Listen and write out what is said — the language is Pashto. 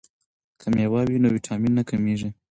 که میوه وي نو ویټامین نه کمیږي.